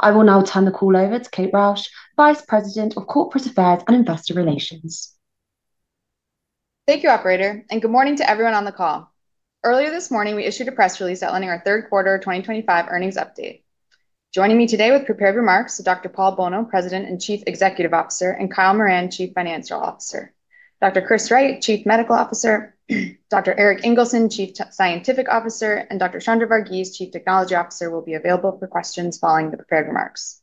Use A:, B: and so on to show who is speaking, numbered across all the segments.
A: I will now turn the call over to Kate Rausch, Vice President of Corporate Affairs and Investor Relations.
B: Thank you, Operator, and good morning to everyone on the call. Earlier this morning, we issued a press release outlining our third quarter 2025 earnings update. Joining me today with prepared remarks are Dr. Paul Bolno, President and Chief Executive Officer, and Kyle Moran, Chief Financial Officer. Dr. Chris Wright, Chief Medical Officer, Dr. Erik Ingelsson, Chief Scientific Officer, and Dr. Chandra Vargeese, Chief Technology Officer, will be available for questions following the prepared remarks.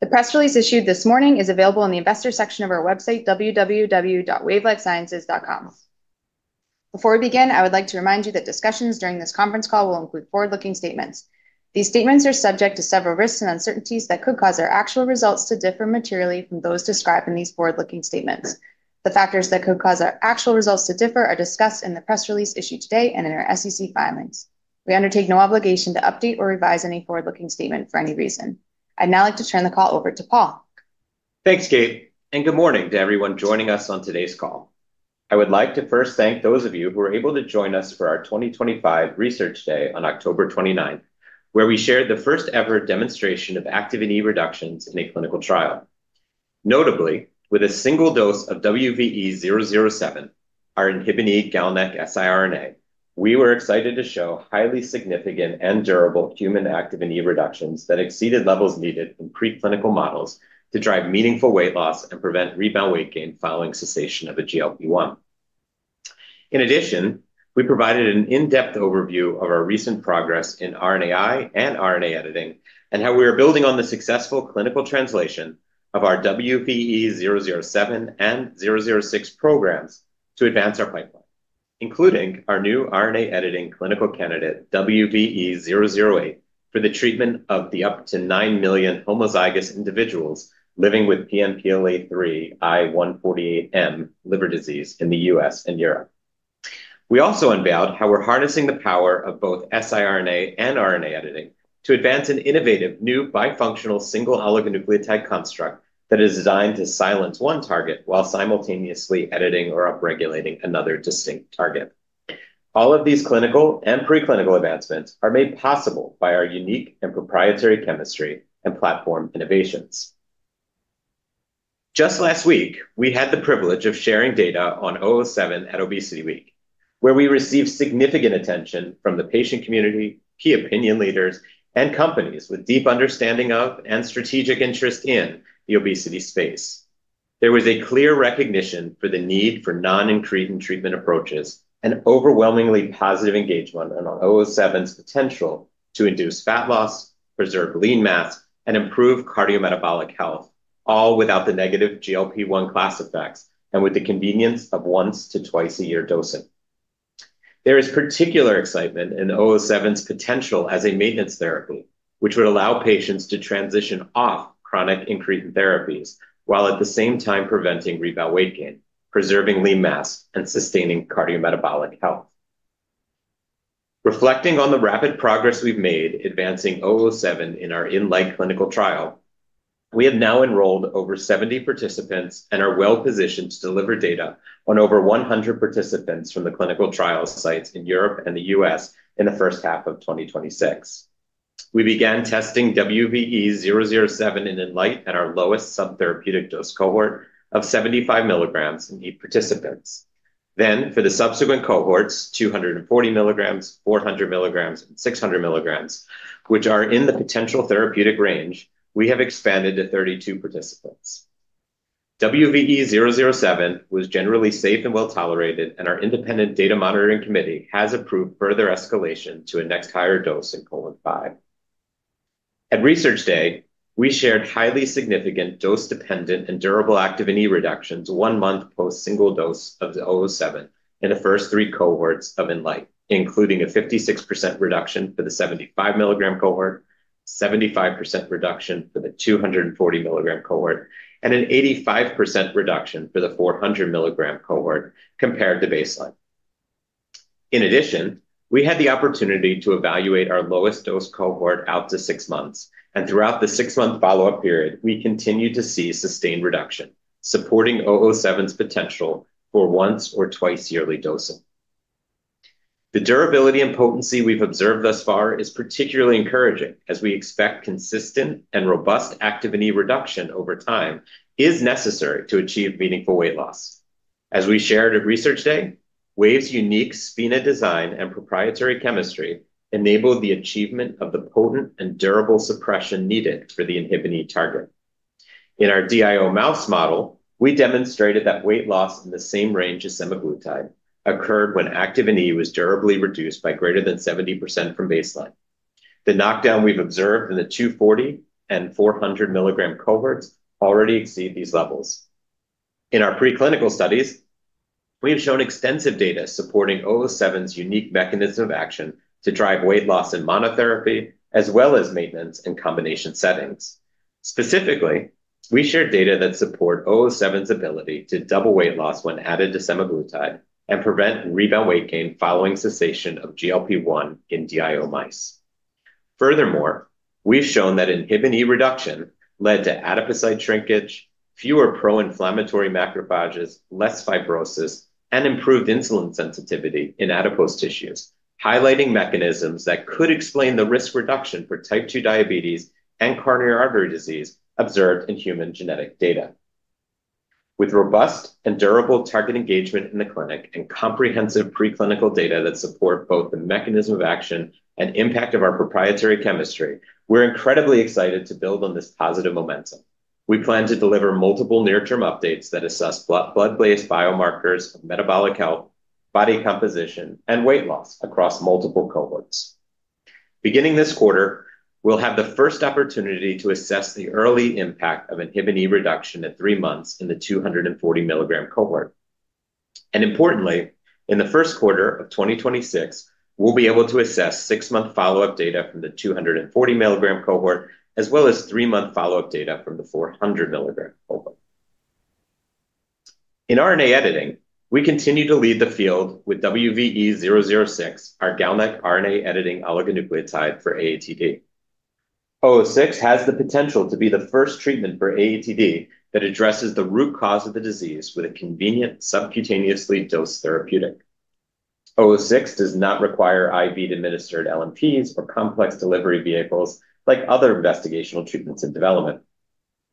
B: The press release issued this morning is available in the investor section of our website, www.wavelifesciences.com. Before we begin, I would like to remind you that discussions during this conference call will include forward-looking statements. These statements are subject to several risks and uncertainties that could cause our actual results to differ materially from those described in these forward-looking statements. The factors that could cause our actual results to differ are discussed in the press release issued today and in our SEC filings. We undertake no obligation to update or revise any forward-looking statement for any reason. I'd now like to turn the call over to Paul.
C: Thanks, Kate, and good morning to everyone joining us on today's call. I would like to first thank those of you who were able to join us for our 2025 Research Day on October 29, where we shared the first-ever demonstration of Activin E reductions in a clinical trial. Notably, with a single dose of WVE-007, our inhibin E galloneck siRNA, we were excited to show highly significant and durable human Activin E reductions that exceeded levels needed in preclinical models to drive meaningful weight loss and prevent rebound weight gain following cessation of a GLP-1. In addition, we provided an in-depth overview of our recent progress in RNAi and RNA editing and how we are building on the successful clinical translation of our WVE-007 and 006 programs to advance our pipeline, including our new RNA editing clinical candidate WVE-008 for the treatment of the up to 9 million homozygous individuals living with PNPLA3I148M liver disease in the U.S. and Europe. We also unveiled how we're harnessing the power of both siRNA and RNA editing to advance an innovative new bifunctional single oligonucleotide construct that is designed to silence one target while simultaneously editing or upregulating another distinct target. All of these clinical and preclinical advancements are made possible by our unique and proprietary chemistry and platform innovations. Just last week, we had the privilege of sharing data on 007 at Obesity Week, where we received significant attention from the patient community, key opinion leaders, and companies with deep understanding of and strategic interest in the obesity space. There was a clear recognition for the need for non-incretin treatment approaches and overwhelmingly positive engagement on 007's potential to induce fat loss, preserve lean mass, and improve cardiometabolic health, all without the negative GLP-1 class effects and with the convenience of once to twice-a-year dosing. There is particular excitement in 007's potential as a maintenance therapy, which would allow patients to transition off chronic incretin therapies while at the same time preventing rebound weight gain, preserving lean mass, and sustaining cardiometabolic health. Reflecting on the rapid progress we've made advancing WVE-007 in our ENLIGHTEN clinical trial, we have now enrolled over 70 participants and are well positioned to deliver data on over 100 participants from the clinical trial sites in Europe and the U.S. in the first half of 2026. We began testing WVE-007 in ENLIGHTEN at our lowest subtherapeutic dose cohort of 75 mg in eight participants. Then, for the subsequent cohorts, 240 mg, 400 mg, and 600 mg, which are in the potential therapeutic range, we have expanded to 32 participants. WVE-007 was generally safe and well tolerated, and our independent data monitoring committee has approved further escalation to a next higher dose in cohort 5. At Research Day, we shared highly significant dose-dependent and durable Activin E reductions one month post-single dose of 007 in the first three cohorts of in light, including a 56% reduction for the 75 mg cohort, a 75% reduction for the 240 mg cohort, and an 85% reduction for the 400 mg cohort compared to baseline. In addition, we had the opportunity to evaluate our lowest dose cohort out to six months, and throughout the six-month follow-up period, we continue to see sustained reduction, supporting 007's potential for once or twice-yearly dosing. The durability and potency we've observed thus far is particularly encouraging as we expect consistent and robust Activin E reduction over time is necessary to achieve meaningful weight loss. As we shared at Research Day, Wave's unique spina design and proprietary chemistry enabled the achievement of the potent and durable suppression needed for the inhibin E target. In our DIO mouse model, we demonstrated that weight loss in the same range as semaglutide occurred when Activin E was durably reduced by greater than 70% from baseline. The knockdown we've observed in the 240 and 400 mg cohorts already exceeds these levels. In our preclinical studies, we have shown extensive data supporting WVE-007's unique mechanism of action to drive weight loss in monotherapy as well as maintenance in combination settings. Specifically, we shared data that support WVE-007's ability to double weight loss when added to semaglutide and prevent rebound weight gain following cessation of GLP-1 in DIO mice. Furthermore, we've shown that inhibin E reduction led to adipocyte shrinkage, fewer pro-inflammatory macrophages, less fibrosis, and improved insulin sensitivity in adipose tissues, highlighting mechanisms that could explain the risk reduction for type two diabetes and coronary artery disease observed in human genetic data. With robust and durable target engagement in the clinic and comprehensive preclinical data that support both the mechanism of action and impact of our proprietary chemistry, we're incredibly excited to build on this positive momentum. We plan to deliver multiple near-term updates that assess blood-based biomarkers of metabolic health, body composition, and weight loss across multiple cohorts. Beginning this quarter, we'll have the first opportunity to assess the early impact of inhibin E reduction at 3 months in the 240 mg cohort. Importantly, in the first quarter of 2026, we'll be able to assess 6-month follow-up data from the 240 mg cohort as well as 3-month follow-up data from the 400 mg cohort. In RNA editing, we continue to lead the field with WVE-006, our GalNAc RNA editing oligonucleotide for AATD. 006 has the potential to be the first treatment for AATD that addresses the root cause of the disease with a convenient subcutaneously dosed therapeutic. 006 does not require IV-administered LNPs or complex delivery vehicles like other investigational treatments in development.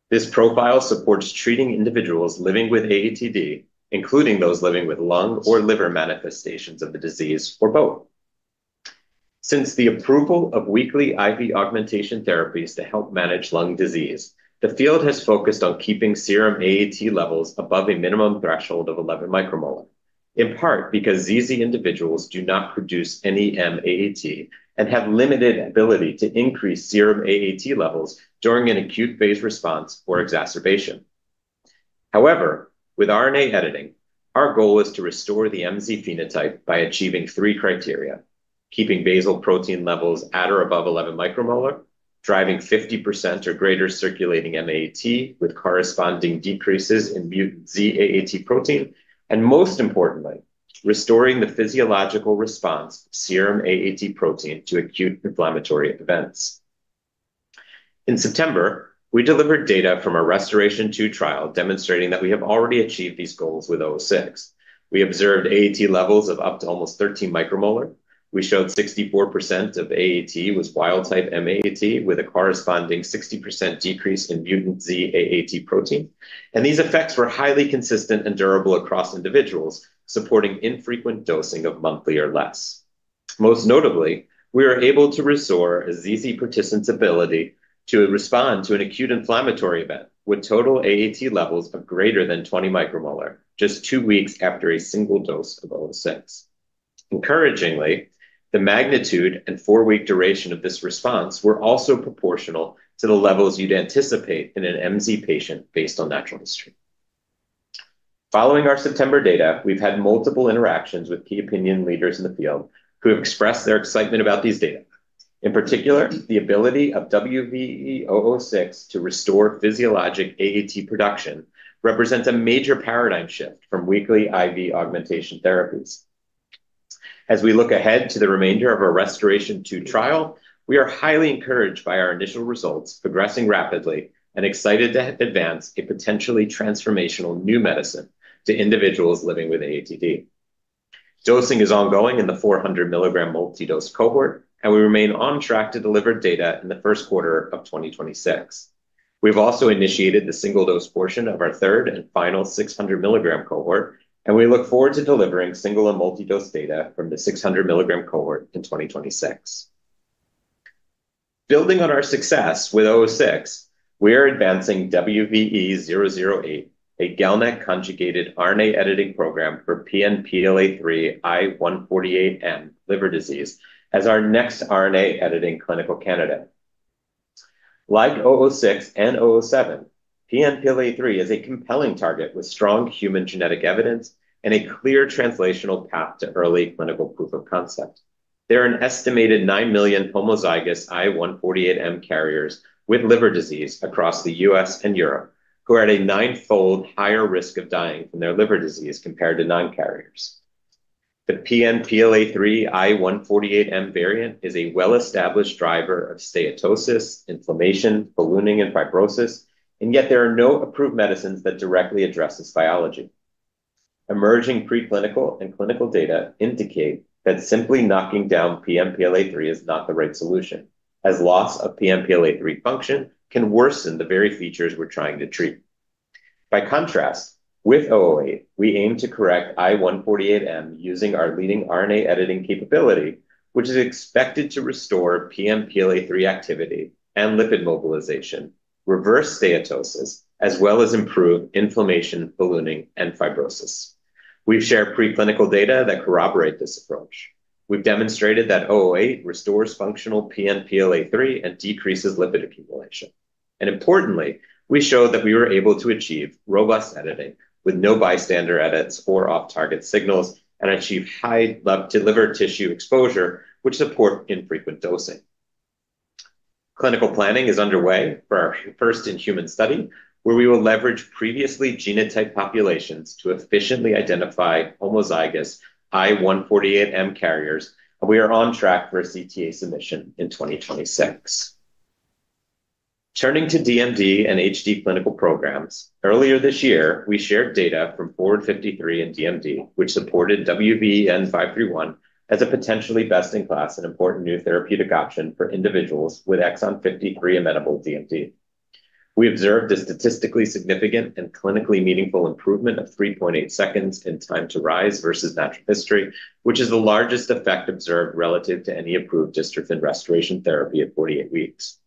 C: This profile supports treating individuals living with AATD, including those living with lung or liver manifestations of the disease or both. Since the approval of weekly IV augmentation therapies to help manage lung disease, the field has focused on keeping serum AAT levels above a minimum threshold of 11 micromolar, in part because ZZ individuals do not produce NEM AAT and have limited ability to increase serum AAT levels during an acute phase response or exacerbation. However, with RNA editing, our goal is to restore the MZ phenotype by achieving three criteria: keeping basal protein levels at or above 11 micromolar, driving 50% or greater circulating AAT with corresponding decreases in mutant ZAAT protein, and most importantly, restoring the physiological response of serum AAT protein to acute inflammatory events. In September, we delivered data from our Restoration II trial demonstrating that we have already achieved these goals with WVE-006. We observed AAT levels of up to almost 13 micromolar. We showed 64% of AAT was wild-type AAT with a corresponding 60% decrease in mutant ZAAT protein, and these effects were highly consistent and durable across individuals, supporting infrequent dosing of monthly or less. Most notably, we were able to restore a ZZ participant's ability to respond to an acute inflammatory event with total AAT levels of greater than 20 micromolar just two weeks after a single dose of 006. Encouragingly, the magnitude and four-week duration of this response were also proportional to the levels you'd anticipate in an MZ patient based on natural history. Following our September data, we've had multiple interactions with key opinion leaders in the field who have expressed their excitement about these data. In particular, the ability of WVE-006 to restore physiologic AAT production represents a major paradigm shift from weekly IV augmentation therapies. As we look ahead to the remainder of our Restoration II trial, we are highly encouraged by our initial results, progressing rapidly, and excited to advance a potentially transformational new medicine to individuals living with AATD. Dosing is ongoing in the 400 mg multidose cohort, and we remain on track to deliver data in the first quarter of 2026. We've also initiated the single-dose portion of our third and final 600 mg cohort, and we look forward to delivering single and multidose data from the 600 mg cohort in 2026. Building on our success with 006, we are advancing WVE-008, a galloneck conjugated RNA editing program for PNPLA3I148N liver disease as our next RNA editing clinical candidate. Like 006 and 007, PNPLA3 is a compelling target with strong human genetic evidence and a clear translational path to early clinical proof of concept. There are an estimated 9 million homozygous I148M carriers with liver disease across the U.S. and Europe who are at a nine-fold higher risk of dying from their liver disease compared to non-carriers. The PNPLA3I148M variant is a well-established driver of steatosis, inflammation, ballooning, and fibrosis, and yet there are no approved medicines that directly address this biology. Emerging preclinical and clinical data indicate that simply knocking down PNPLA3 is not the right solution, as loss of PNPLA3 function can worsen the very features we're trying to treat. By contrast, with 008, we aim to correct I148M using our leading RNA editing capability, which is expected to restore PNPLA3 activity and lipid mobilization, reverse steatosis, as well as improve inflammation, ballooning, and fibrosis. We've shared preclinical data that corroborate this approach. We've demonstrated that 008 restores functional PNPLA3 and decreases lipid accumulation. And importantly, we show that we were able to achieve robust editing with no bystander edits or off-target signals and achieve high delivered tissue exposure, which supports infrequent dosing. Clinical planning is underway for our first in-human study, where we will leverage previously genotype populations to efficiently identify homozygous I148M carriers, and we are on track for a CTA submission in 2026. Turning to DMD and HD clinical programs, earlier this year, we shared data from Board 53 and DMD, which supported WVEN531 as a potentially best-in-class and important new therapeutic option for individuals with exon 53 amenable DMD. We observed a statistically significant and clinically meaningful improvement of 3.8 seconds in time to rise versus natural history, which is the largest effect observed relative to any approved district and restoration therapy at 48 weeks.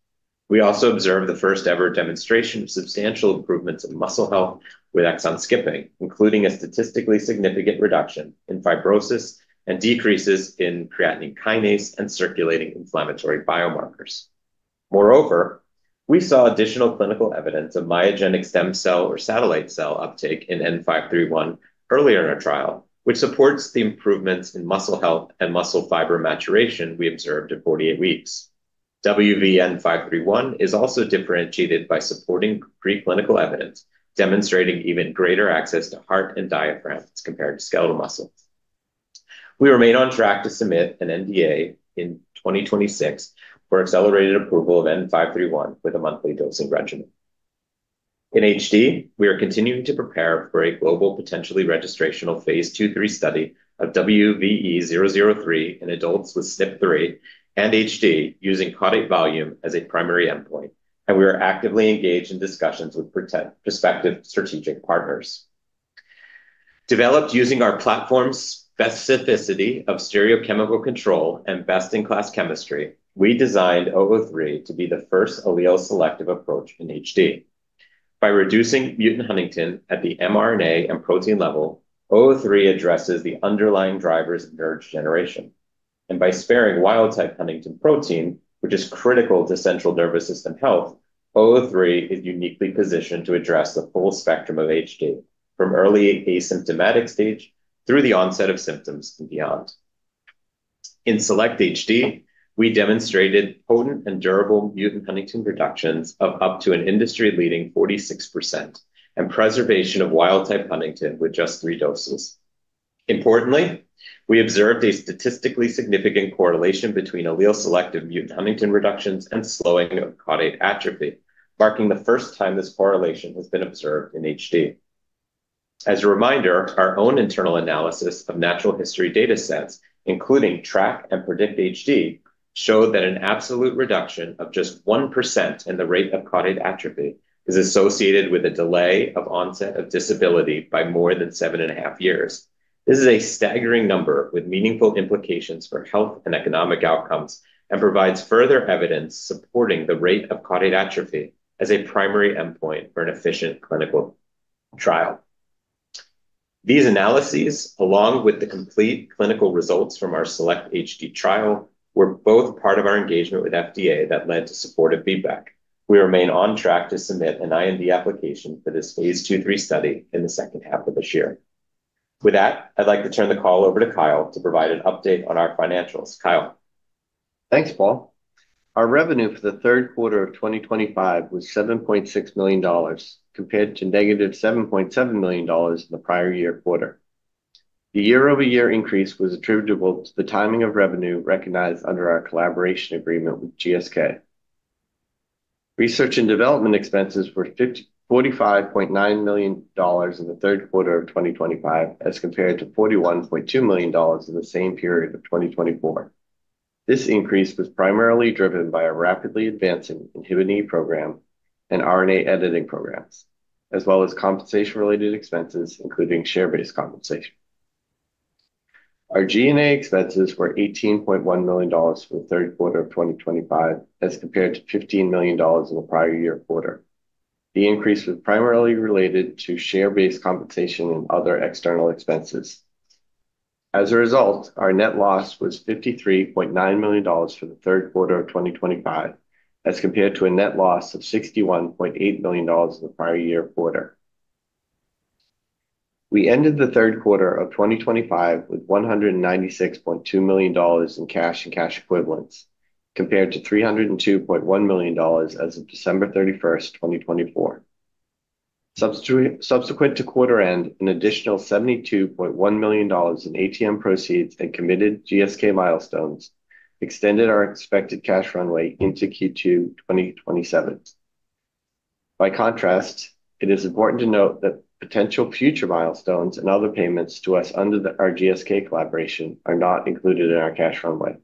C: We also observed the first-ever demonstration of substantial improvements in muscle health with exon skipping, including a statistically significant reduction in fibrosis and decreases in creatinine kinase and circulating inflammatory biomarkers. Moreover, we saw additional clinical evidence of myogenic stem cell or satellite cell uptake in N531 earlier in our trial, which supports the improvements in muscle health and muscle fiber maturation we observed at 48 weeks. WVN531 is also differentiated by supporting preclinical evidence, demonstrating even greater access to heart and diaphragms compared to skeletal muscles. We remain on track to submit an NDA in 2026 for accelerated approval of N531 with a monthly dosing regimen. In HD, we are continuing to prepare for a global potentially registrational phase 2-3 study of WVE-003 in adults with SNP3 and HD using caudate volume as a primary endpoint, and we are actively engaged in discussions with prospective strategic partners. Developed using our platform's specificity of stereochemical control and best-in-class chemistry, we designed 003 to be the first allele selective approach in HD. By reducing mutant Huntington at the mRNA and protein level, 003 addresses the underlying drivers of nerve generation. And by sparing wild-type Huntington protein, which is critical to central nervous system health, 003 is uniquely positioned to address the full spectrum of HD from early asymptomatic stage through the onset of symptoms and beyond. In select HD, we demonstrated potent and durable mutant Huntington reductions of up to an industry-leading 46% and preservation of wild-type Huntington with just three doses. Importantly, we observed a statistically significant correlation between allele selective mutant Huntington reductions and slowing of caudate atrophy, marking the first time this correlation has been observed in HD. As a reminder, our own internal analysis of natural history data sets, including Track and Predict HD, showed that an absolute reduction of just 1% in the rate of caudate atrophy is associated with a delay of onset of disability by more than seven and a half years. This is a staggering number with meaningful implications for health and economic outcomes and provides further evidence supporting the rate of caudate atrophy as a primary endpoint for an efficient clinical trial. These analyses, along with the complete clinical results from our select HD trial, were both part of our engagement with FDA that led to supportive feedback. We remain on track to submit an IND application for this phase 2-3 study in the second half of this year. With that, I'd like to turn the call over to Kyle to provide an update on our financials. Kyle.
D: Thanks, Paul. Our revenue for the third quarter of 2025 was $7.6 million compared to negative $7.7 million in the prior year quarter. The year-over-year increase was attributable to the timing of revenue recognized under our collaboration agreement with GSK. Research and development expenses were $45.9 million in the third quarter of 2025 as compared to $41.2 million in the same period of 2024. This increase was primarily driven by a rapidly advancing inhibin E program and RNA editing programs, as well as compensation-related expenses, including share-based compensation. Our G&A expenses were $18.1 million for the third quarter of 2025 as compared to $15 million in the prior year quarter. The increase was primarily related to share-based compensation and other external expenses. As a result, our net loss was $53.9 million for the third quarter of 2025 as compared to a net loss of $61.8 million in the prior year quarter. We ended the third quarter of 2025 with $196.2 million in cash and cash equivalents compared to $302.1 million as of December 31st, 2024. Subsequent to quarter end, an additional $72.1 million in ATM proceeds and committed GSK milestones extended our expected cash runway into Q2 2027. By contrast, it is important to note that potential future milestones and other payments to us under our GSK collaboration are not included in our cash runway.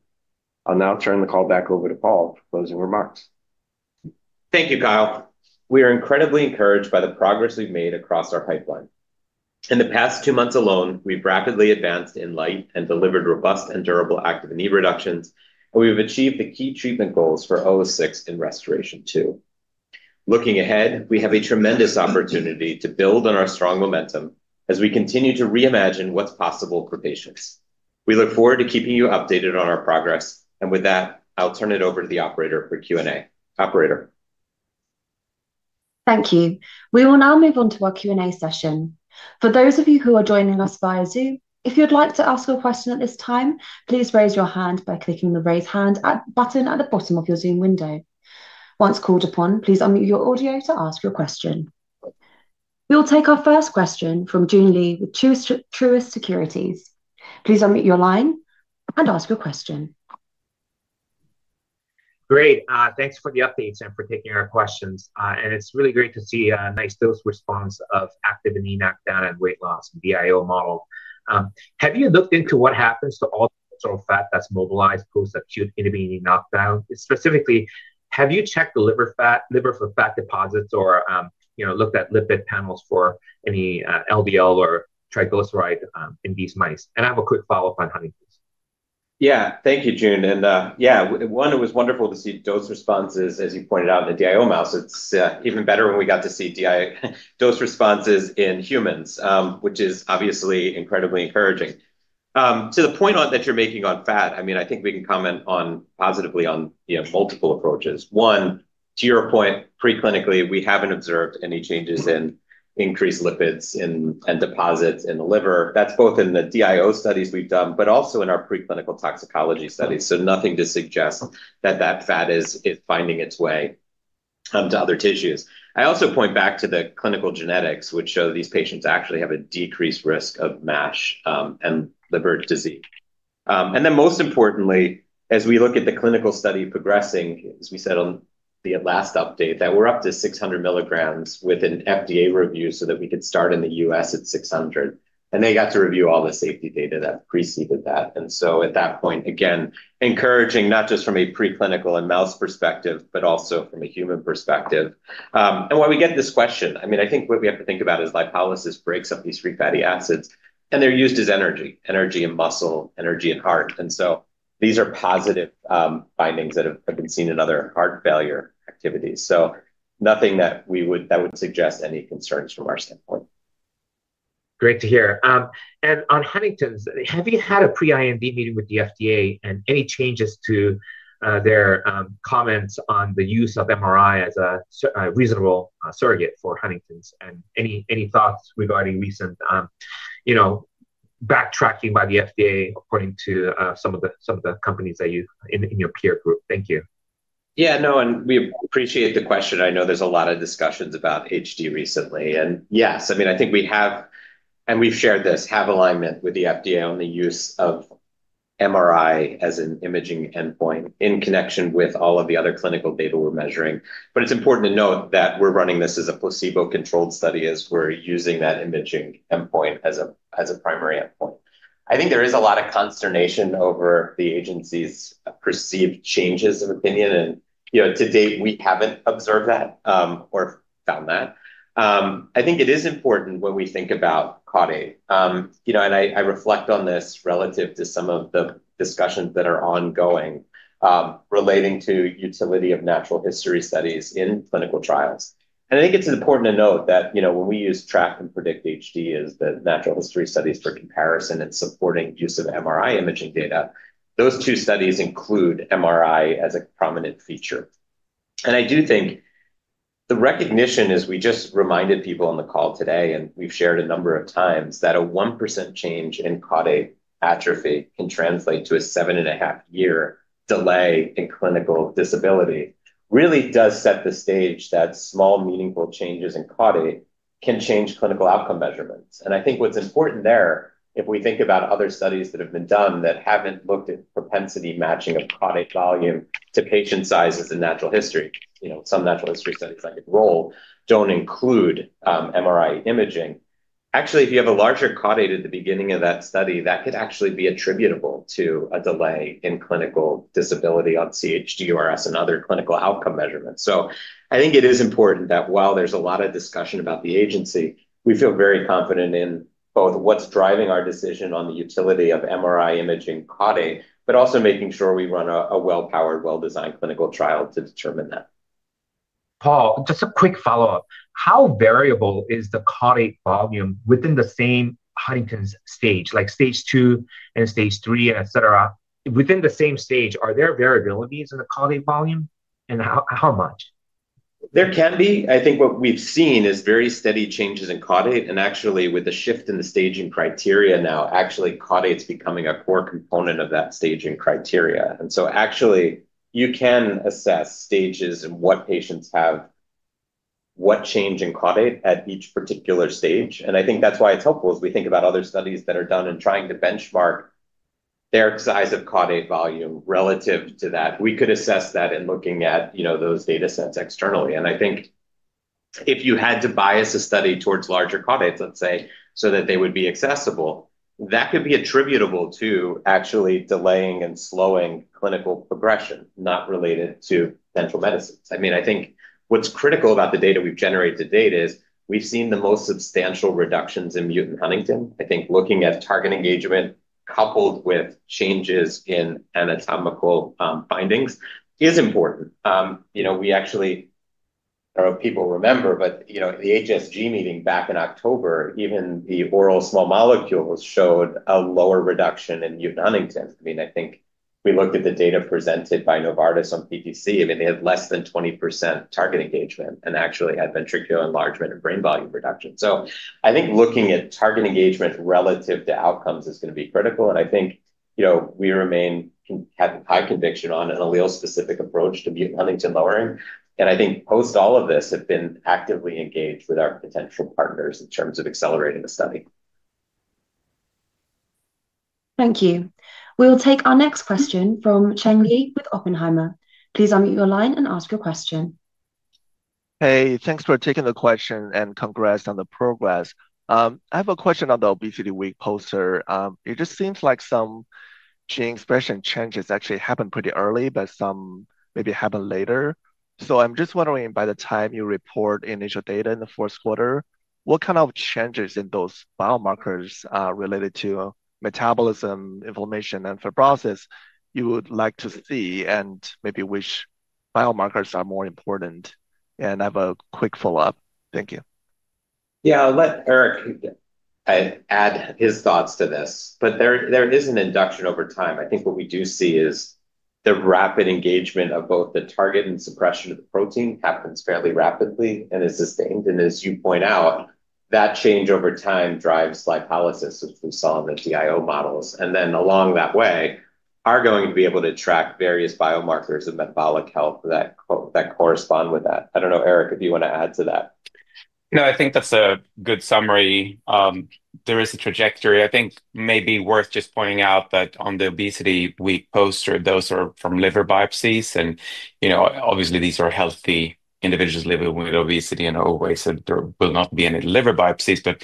D: I'll now turn the call back over to Paul for closing remarks.
C: Thank you, Kyle. We are incredibly encouraged by the progress we've made across our pipeline. In the past two months alone, we've rapidly advanced in light and delivered robust and durable active anemia reductions, and we've achieved the key treatment goals for 006 in Restoration II. Looking ahead, we have a tremendous opportunity to build on our strong momentum as we continue to reimagine what's possible for patients. We look forward to keeping you updated on our progress, and with that, I'll turn it over to the operator for Q&A. Operator.
A: Thank you. We will now move on to our Q&A session. For those of you who are joining us via Zoom, if you'd like to ask a question at this time, please raise your hand by clicking the raise hand button at the bottom of your Zoom window. Once called upon, please unmute your audio to ask your question. We will take our first question from Joon Lee with Truist Securities. Please unmute your line and ask your question.
E: Great. Thanks for the updates and for taking our questions. And it's really great to see a nice dose response of active anemia knockdown and weight loss and DIO model. Have you looked into what happens to all the cholesterol fat that's mobilized post-acute inhibiting knockdown? Specifically, have you checked the liver for fat deposits or looked at lipid panels for any LDL or triglyceride in these mice? And I have a quick follow-up on Huntington's.
C: Yeah, thank you, Joon. And yeah, one, it was wonderful to see dose responses, as you pointed out in the DIO mouse. It's even better when we got to see dose responses in humans, which is obviously incredibly encouraging. To the point that you're making on fat, I mean, I think we can comment positively on multiple approaches. One, to your point, preclinically, we haven't observed any changes in increased lipids and deposits in the liver. That's both in the DIO studies we've done, but also in our preclinical toxicology studies. So nothing to suggest that that fat is finding its way to other tissues. I also point back to the clinical genetics, which show these patients actually have a decreased risk of MASH and liver disease. And then most importantly, as we look at the clinical study progressing, as we said on the last update, that we're up to 600 mgs with an FDA review so that we could start in the U.S. at 600. And they got to review all the safety data that preceded that. And so at that point, again, encouraging not just from a preclinical and mouse perspective, but also from a human perspective. And why we get this question, I mean, I think what we have to think about is lipolysis breaks up these free fatty acids, and they're used as energy, energy and muscle, energy and heart. And so these are positive findings that have been seen in other heart failure activities. So nothing that would suggest any concerns from our standpoint.
E: Great to hear. And on Huntington's, have you had a pre-IND meeting with the FDA and any changes to their comments on the use of MRI as a reasonable surrogate for Huntington's? And any thoughts regarding recent backtracking by the FDA according to some of the companies that you in your peer group? Thank you.
C: Yeah, no, and we appreciate the question. I know there's a lot of discussions about HD recently. And yes, I mean, I think we have, and we've shared this, have alignment with the FDA on the use of MRI as an imaging endpoint in connection with all of the other clinical data we're measuring. But it's important to note that we're running this as a placebo-controlled study as we're using that imaging endpoint as a primary endpoint. I think there is a lot of consternation over the agency's perceived changes of opinion. And to date, we haven't observed that or found that. I think it is important when we think about caudate. And I reflect on this relative to some of the discussions that are ongoing relating to utility of natural history studies in clinical trials. And I think it's important to note that when we use Track and Predict HD as the natural history studies for comparison and supporting use of MRI imaging data, those two studies include MRI as a prominent feature. And I do think the recognition is we just reminded people on the call today, and we've shared a number of times that a 1% change in caudate atrophy can translate to a seven and a half year delay in clinical disability really does set the stage that small meaningful changes in caudate can change clinical outcome measurements. And I think what's important there, if we think about other studies that have been done that haven't looked at propensity matching of caudate volume to patient sizes in natural history, some natural history studies like ROLE don't include MRI imaging. Actually, if you have a larger caudate at the beginning of that study, that could actually be attributable to a delay in clinical disability on CHDRS and other clinical outcome measurements. So I think it is important that while there's a lot of discussion about the agency, we feel very confident in both what's driving our decision on the utility of MRI imaging caudate, but also making sure we run a well-powered, well-designed clinical trial to determine that.
E: Paul, just a quick follow-up. How variable is the caudate volume within the same Huntington's stage, like stage two and stage three, etc.? Within the same stage, are there variabilities in the caudate volume? And how much?
C: There can be. I think what we've seen is very steady changes in caudate. And actually, with the shift in the staging criteria now, actually caudate's becoming a core component of that staging criteria. And so actually, you can assess stages and what patients have what change in caudate at each particular stage. And I think that's why it's helpful as we think about other studies that are done and trying to benchmark their size of caudate volume relative to that. We could assess that in looking at those data sets externally. And I think if you had to bias a study towards larger caudates, let's say, so that they would be accessible, that could be attributable to actually delaying and slowing clinical progression, not related to dental medicines. I mean, I think what's critical about the data we've generated to date is we've seen the most substantial reductions in mutant Huntington. I think looking at target engagement coupled with changes in anatomical findings is important. We actually don't know if people remember, but the HSG meeting back in October, even the oral small molecules showed a lower reduction in mutant Huntington. I mean, I think we looked at the data presented by Novartis on PTC. I mean, they had less than 20% target engagement and actually had ventricular enlargement and brain volume reduction. So I think looking at target engagement relative to outcomes is going to be critical. And I think we remain have high conviction on an allele-specific approach to mutant Huntington lowering. And I think post all of this, have been actively engaged with our potential partners in terms of accelerating the study.
A: Thank you. We will take our next question from Cheng Li with Oppenheimer. Please unmute your line and ask your question.
F: Hey, thanks for taking the question and congrats on the progress. I have a question on the obesity week poster. It just seems like some gene expression changes actually happen pretty early, but some maybe happen later. So I'm just wondering, by the time you report initial data in the fourth quarter, what kind of changes in those biomarkers related to metabolism, inflammation, and fibrosis you would like to see and maybe which biomarkers are more important? And I have a quick follow-up. Thank you.
C: Yeah, I'll let Eric add his thoughts to this. But there is an induction over time. I think what we do see is the rapid engagement of both the target and suppression of the protein happens fairly rapidly and is sustained. And as you point out, that change over time drives lipolysis, as we saw in the DIO models. And then along that way, are going to be able to track various biomarkers and metabolic health that correspond with that. I don't know, Eric, if you want to add to that.
G: No, I think that's a good summary. There is a trajectory. I think maybe worth just pointing out that on the obesity week poster, those are from liver biopsies. And obviously, these are healthy individuals living with obesity. And I always said there will not be any liver biopsies. But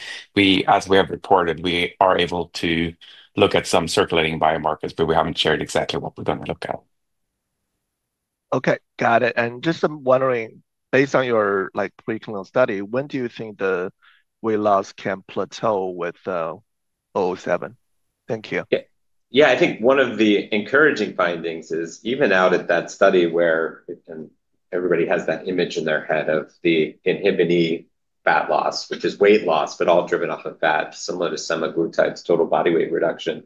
G: as we have reported, we are able to look at some circulating biomarkers, but we haven't shared exactly what we're going to look at.
F: Okay, got it. And just wondering, based on your preclinical study, when do you think the weight loss can plateau with 007? Thank you.
C: Yeah, I think one of the encouraging findings is even out at that study where everybody has that image in their head of the inhibiting fat loss, which is weight loss, but all driven off of fat, similar to semaglutides, total body weight reduction.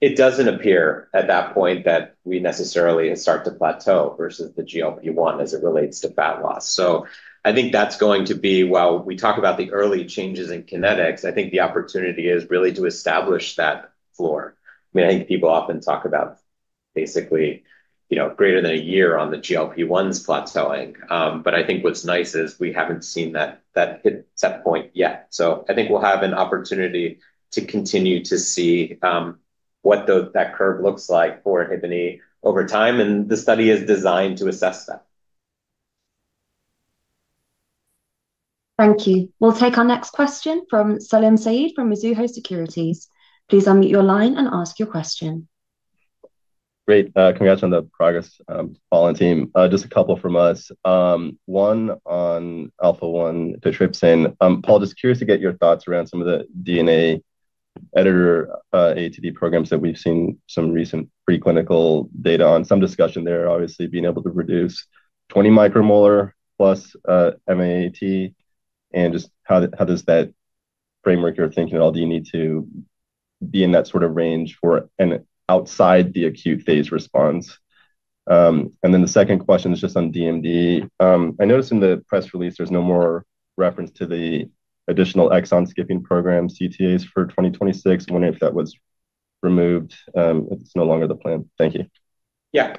C: It doesn't appear at that point that we necessarily start to plateau versus the GLP-1 as it relates to fat loss. So I think that's going to be, while we talk about the early changes in kinetics, I think the opportunity is really to establish that floor. I mean, I think people often talk about basically greater than a year on the GLP-1s plateauing. But I think what's nice is we haven't seen that set point yet. So I think we'll have an opportunity to continue to see what that curve looks like for inhibiting over time. And the study is designed to assess that.
A: Thank you. We'll take our next question from Salim Syed from Mizuho Securities. Please unmute your line and ask your question.
H: Great. Congrats on the progress, Paul and team. Just a couple from us. One on alpha-1-interleukin. Paul, just curious to get your thoughts around some of the DNA editor ATD programs that we've seen some recent preclinical data on. Some discussion there, obviously, being able to reduce 20 micromolar plus MAAT. And just how does that framework you're thinking at all do you need to be in that sort of range for an outside the acute phase response? And then the second question is just on DMD. I noticed in the press release, there's no more reference to the additional exon skipping program, CTAs for 2026. I'm wondering if that was removed, if it's no longer the plan. Thank you.
C: Yeah.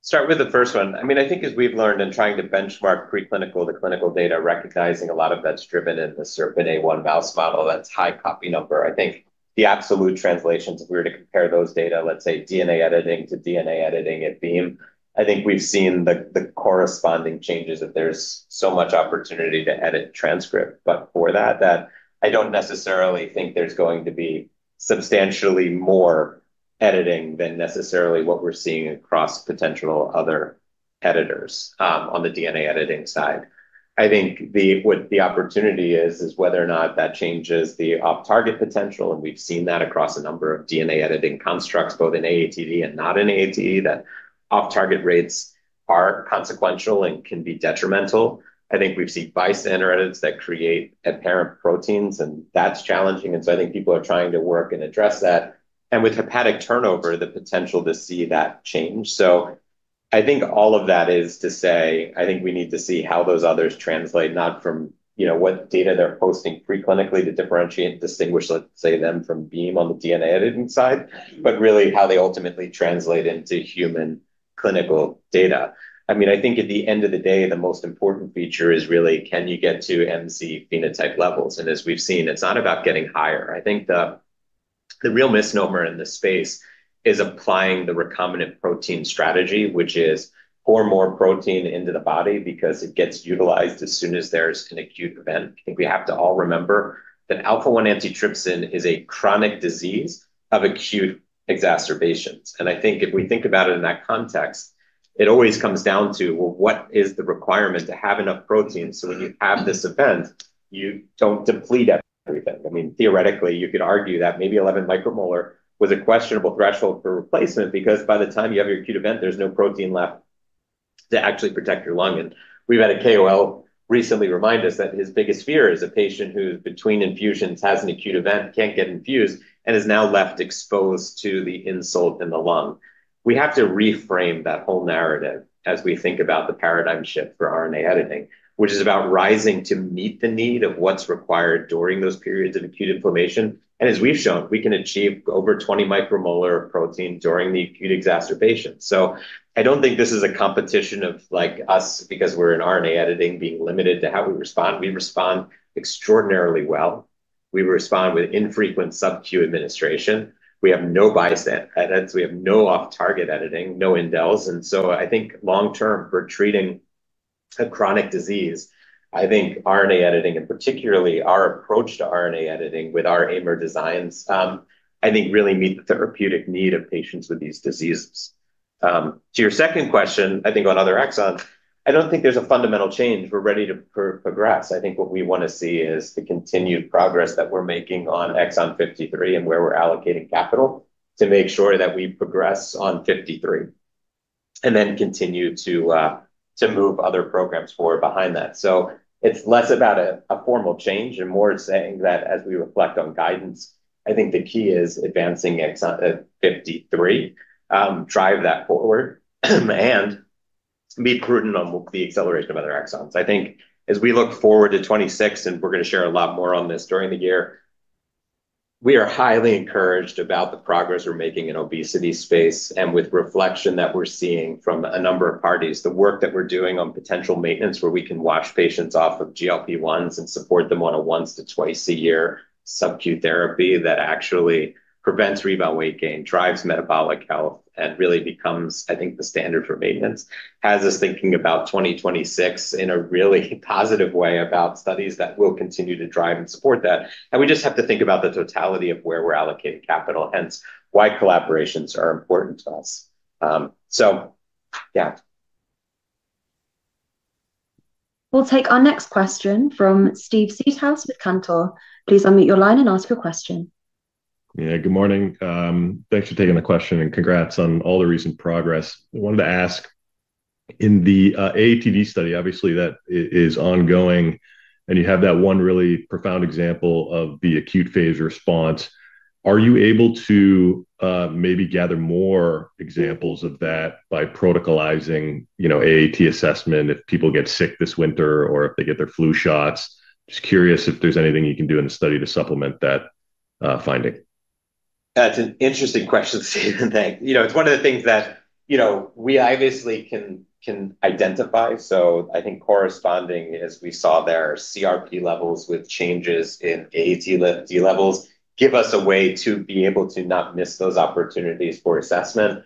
C: Start with the first one. I mean, I think as we've learned in trying to benchmark preclinical to clinical data, recognizing a lot of that's driven in the siRPNA1 mouse model that's high copy number. I think the absolute translations, if we were to compare those data, let's say DNA editing to DNA editing at beam, I think we've seen the corresponding changes that there's so much opportunity to edit transcript. But for that, I don't necessarily think there's going to be substantially more editing than necessarily what we're seeing across potential other editors on the DNA editing side. I think what the opportunity is, is whether or not that changes the off-target potential. And we've seen that across a number of DNA editing constructs, both in AATD and not in AATD, that off-target rates are consequential and can be detrimental. I think we've seen bisyneritids that create apparent proteins, and that's challenging. And so I think people are trying to work and address that. And with hepatic turnover, the potential to see that change. So I think all of that is to say, I think we need to see how those others translate, not from what data they're posting preclinically to differentiate and distinguish, let's say, them from beam on the DNA editing side, but really how they ultimately translate into human clinical data. I mean, I think at the end of the day, the most important feature is really, can you get to MZ phenotype levels? And as we've seen, it's not about getting higher. I think the real misnomer in this space is applying the recombinant protein strategy, which is pour more protein into the body because it gets utilized as soon as there's an acute event. I think we have to all remember that alpha-1-antitrypsin is a chronic disease of acute exacerbations. And I think if we think about it in that context, it always comes down to, well, what is the requirement to have enough protein so when you have this event, you don't deplete everything? I mean, theoretically, you could argue that maybe 11 micromolar was a questionable threshold for replacement because by the time you have your acute event, there's no protein left to actually protect your lung. And we've had a KOL recently remind us that his biggest fear is a patient who between infusions has an acute event, can't get infused, and is now left exposed to the insult in the lung. We have to reframe that whole narrative as we think about the paradigm shift for RNA editing, which is about rising to meet the need of what's required during those periods of acute inflammation. And as we've shown, we can achieve over 20 micromolar of protein during the acute exacerbation. So I don't think this is a competition of us because we're in RNA editing being limited to how we respond. We respond extraordinarily well. We respond with infrequent sub-Q administration. We have no bisyneritids. We have no off-target editing, no indels. And so I think long-term, for treating a chronic disease, I think RNA editing, and particularly our approach to RNA editing with our AMER designs, I think really meet the therapeutic need of patients with these diseases. To your second question, I think on other exons, I don't think there's a fundamental change. We're ready to progress. I think what we want to see is the continued progress that we're making on exon 53 and where we're allocating capital to make sure that we progress on 53 and then continue to move other programs forward behind that. So it's less about a formal change and more saying that as we reflect on guidance, I think the key is advancing at 53, drive that forward, and be prudent on the acceleration of other exons. I think as we look forward to 26, and we're going to share a lot more on this during the year, we are highly encouraged about the progress we're making in obesity space and with reflection that we're seeing from a number of parties, the work that we're doing on potential maintenance where we can wash patients off of GLP-1s and support them on a once to twice-a-year sub-Q therapy that actually prevents rebound weight gain, drives metabolic health, and really becomes, I think, the standard for maintenance, has us thinking about 2026 in a really positive way about studies that will continue to drive and support that. And we just have to think about the totality of where we're allocating capital, hence why collaborations are important to us. So yeah.
A: We'll take our next question from Steve Seedhouse with Cantor. Please unmute your line and ask your question.
I: Yeah, good morning. Thanks for taking the question and congrats on all the recent progress. I wanted to ask, in the AATD study, obviously that is ongoing, and you have that one really profound example of the acute phase response. Are you able to maybe gather more examples of that by protocolizing AAT assessment if people get sick this winter or if they get their flu shots? Just curious if there's anything you can do in the study to supplement that finding. That's an interesting question to say. It's one of the things that we obviously can identify. So I think corresponding, as we saw there, CRP levels with changes in AAT levels give us a way to be able to not miss those opportunities for assessment.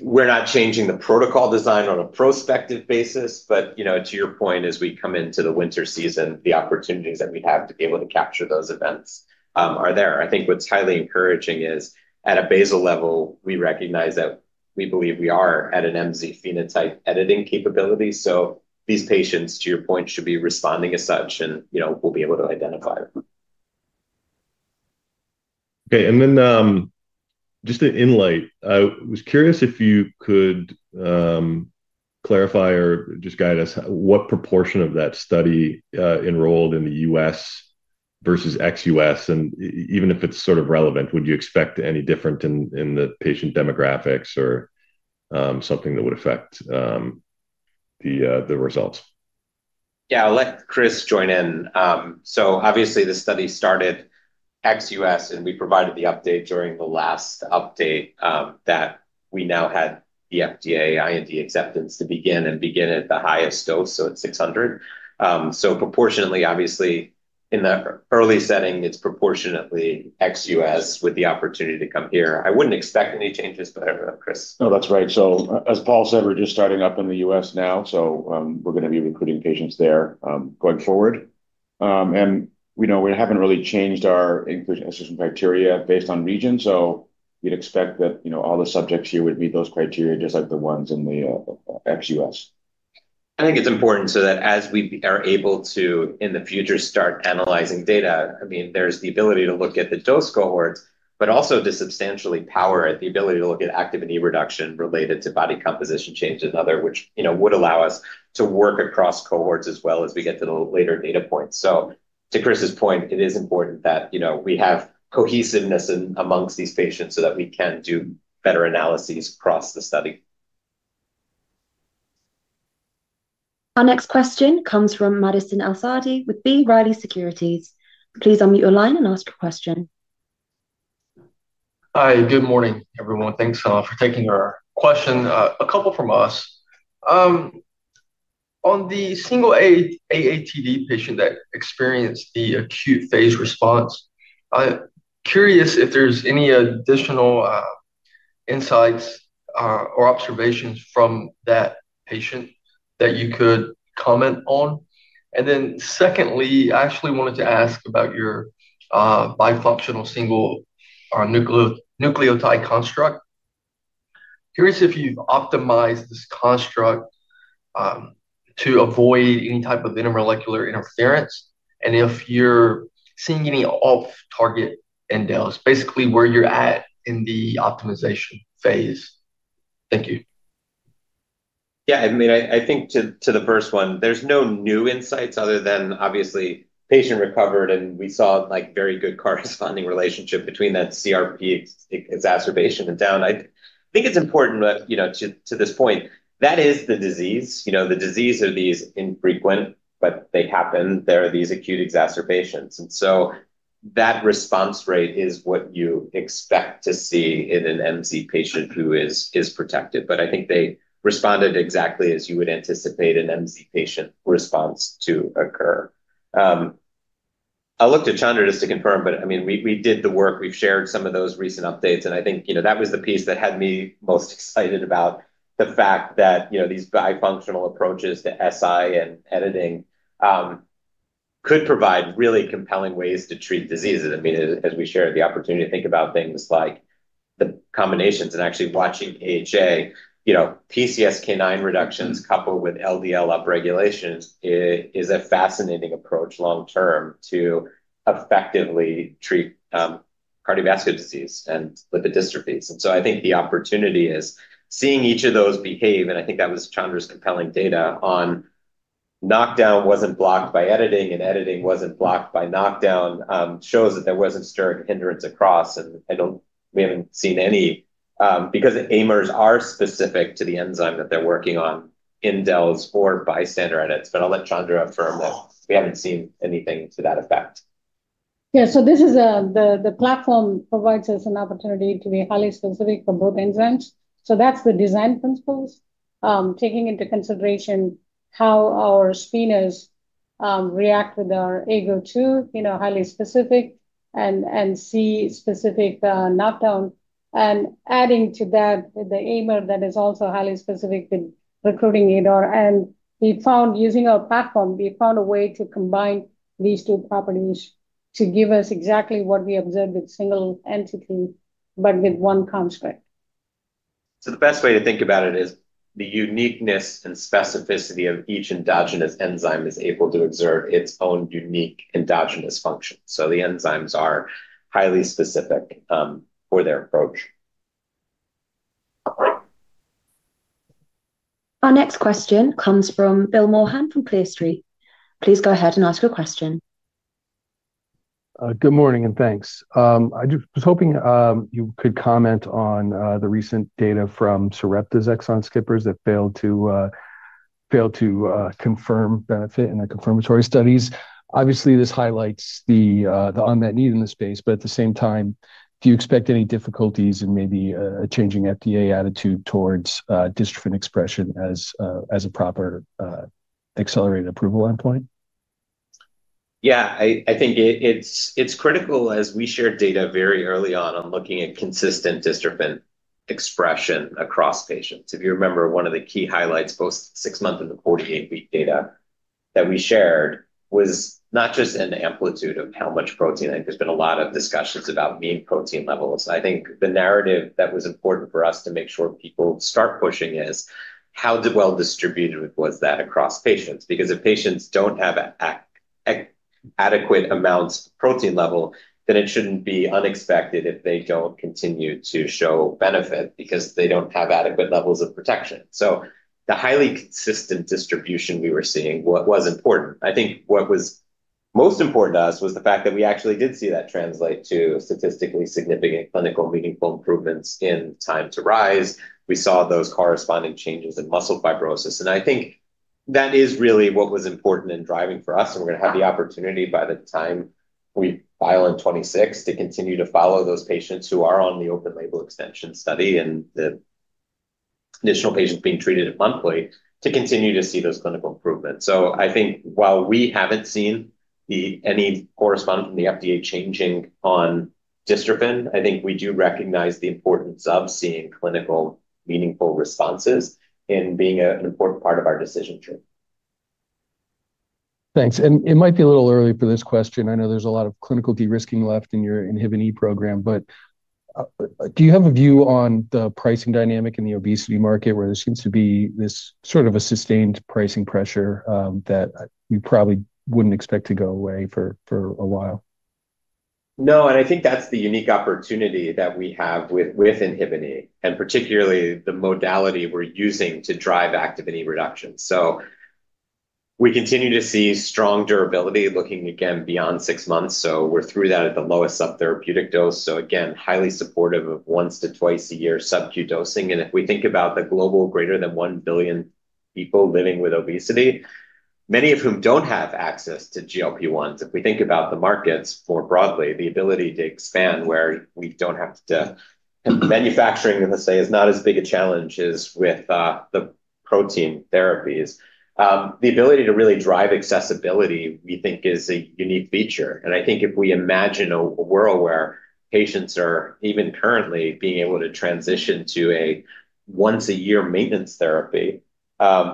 C: We're not changing the protocol design on a prospective basis,
I: But to your point, as we come into the winter season, the opportunities that we have to be able to capture those events are there. I think what's highly encouraging is at a basal level, we recognize that we believe we are at an MZ phenotype editing capability. So these patients, to your point, should be responding as such, and we'll be able to identify them. Okay. And then just an inlight, I was curious if you could clarify or just guide us what proportion of that study enrolled in the U.S. versus ex-U.S.. And even if it's sort of relevant, would you expect any difference in the patient demographics or something that would affect the results?
C: Yeah, I'll let Chris join in. So obviously, the study started ex-U.S., and we provided the update during the last update that we now had the FDA IND acceptance to begin and begin at the highest dose, so at 600. So proportionately, obviously, in the early setting, it's proportionately ex-U.S. with the opportunity to come here. I wouldn't expect any changes, but I don't know, Chris.
J: No, that's right. So as Paul said, we're just starting up in the U.S. now, so we're going to be recruiting patients there going forward. And we haven't really changed our inclusion criteria based on region. So you'd expect that all the subjects here would meet those criteria just like the ones in the ex-U.S..
C: I think it's important so that as we are able to, in the future, start analyzing data, I mean, there's the ability to look at the dose cohorts, but also to substantially power it, the ability to look at Activin E reduction related to body composition change and other, which would allow us to work across cohorts as well as we get to the later data points. So to Chris's point, it is important that we have cohesiveness amongst these patients so that we can do better analyses across the study.
A: Our next question comes from Madison El-Saadi with B. Riley Securities. Please unmute your line and ask your question.
K: Hi, good morning, everyone. Thanks for taking our question. A couple from us. On the single AATD patient that experienced the acute phase response, I'm curious if there's any additional insights or observations from that patient that you could comment on. And then secondly, I actually wanted to ask about your bifunctional single nucleotide construct. Curious if you've optimized this construct to avoid any type of intermolecular interference and if you're seeing any off-target indels, basically where you're at in the optimization phase. Thank you.
C: Yeah, I mean, I think to the first one, there's no new insights other than obviously patient recovered, and we saw a very good corresponding relationship between that CRP exacerbation and down. I think it's important to this point. That is the disease. The disease are these infrequent, but they happen. There are these acute exacerbations. And so that response rate is what you expect to see in an MZ patient who is protected. But I think they responded exactly as you would anticipate an MZ patient response to occur. I'll look to Chandra just to confirm, but I mean, we did the work. We've shared some of those recent updates. And I think that was the piece that had me most excited about the fact that these bifunctional approaches to SI and editing could provide really compelling ways to treat diseases. I mean, as we shared the opportunity to think about things like the combinations and actually watching AHA, PCSK9 reductions coupled with LDL upregulations is a fascinating approach long-term to effectively treat cardiovascular disease and lipid dystrophies. And so I think the opportunity is seeing each of those behave. And I think that was Chandra's compelling data on knockdown wasn't blocked by editing and editing wasn't blocked by knockdown shows that there wasn't stirring hindrance across. And we haven't seen any because AMERs are specific to the enzyme that they're working on, indels or bisyneritids. But I'll let Chandra affirm that we haven't seen anything to that effect.
L: Yeah. So this is the platform provides us an opportunity to be highly specific for both enzymes. So that's the design principles, taking into consideration how our spiners react with our AGO2, highly specific and C-specific knockdown. And adding to that, the AMER that is also highly specific with recruiting ADAR. And we found using our platform, we found a way to combine these two properties to give us exactly what we observed with single entity, but with one construct.
C: So the best way to think about it is the uniqueness and specificity of each endogenous enzyme is able to observe its own unique endogenous function. So the enzymes are highly specific for their approach.
A: Our next question comes from Bill Maughan from Clear Street. Please go ahead and ask your question.
M: Good morning and thanks. I was hoping you could comment on the recent data from Syrupta's exon skippers that failed to confirm benefit in the confirmatory studies. Obviously, this highlights the unmet need in the space, but at the same time, do you expect any difficulties in maybe a changing FDA attitude towards dystrophin expression as a proper accelerated approval endpoint?
C: Yeah, I think it's critical as we shared data very early on on looking at consistent dystrophin expression across patients. If you remember, one of the key highlights, both the six-month and the 48-week data that we shared, was not just an amplitude of how much protein. I think there's been a lot of discussions about mean protein levels. I think the narrative that was important for us to make sure people start pushing is how well distributed was that across patients? Because if patients don't have adequate amounts of protein level, then it shouldn't be unexpected if they don't continue to show benefit because they don't have adequate levels of protection. So the highly consistent distribution we were seeing was important. I think what was most important to us was the fact that we actually did see that translate to statistically significant clinical meaningful improvements in time to rise. We saw those corresponding changes in muscle fibrosis. And I think that is really what was important in driving for us. And we're going to have the opportunity by the time we file in 26 to continue to follow those patients who are on the open label extension study and the additional patients being treated monthly to continue to see those clinical improvements. So I think while we haven't seen any correspondence from the FDA changing on dystrophin, I think we do recognize the importance of seeing clinical meaningful responses in being an important part of our decision tree.
M: Thanks. And it might be a little early for this question. I know there's a lot of clinical derisking left in your inhibin E program, but do you have a view on the pricing dynamic in the obesity market where there seems to be this sort of a sustained pricing pressure that you probably wouldn't expect to go away for a while?
C: No, and I think that's the unique opportunity that we have with inhibin E and particularly the modality we're using to drive Activin E reduction. So we continue to see strong durability looking again beyond six months. So we're through that at the lowest subtherapeutic dose. So again, highly supportive of once to twice-a-year sub-Q dosing. And if we think about the global greater than 1 billion people living with obesity, many of whom don't have access to GLP-1s, if we think about the markets more broadly, the ability to expand where we don't have to manufacturing, let's say, is not as big a challenge as with the protein therapies, the ability to really drive accessibility, we think, is a unique feature. And I think if we imagine a world where patients are even currently being able to transition to a once-a-year maintenance therapy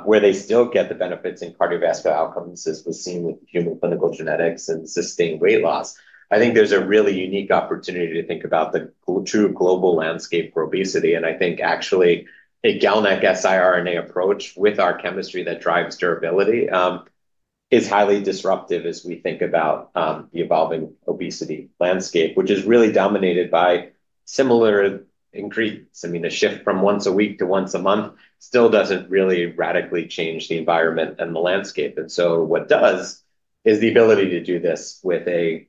C: where they still get the benefits in cardiovascular outcomes as we've seen with human clinical genetics and sustained weight loss, I think there's a really unique opportunity to think about the true global landscape for obesity. And I think actually a GalNAc siRNA approach with our chemistry that drives durability is highly disruptive as we think about the evolving obesity landscape, which is really dominated by similar increase. I mean, a shift from once a week to once a month still doesn't really radically change the environment and the landscape. And so what does is the ability to do this with a